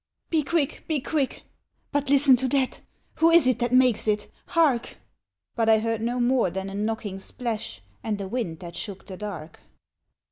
^^ Be quick ! be quick !— but listen to that Who is it that makes it ?— hark !'* But I heard no more than a knocking splash And a wind that shook the dark.